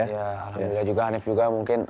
ya alhamdulillah juga hanif juga mungkin